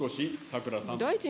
さく良さん。